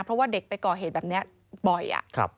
เพราะว่าเด็กไปก่อเหตุแบบนี้บ่อย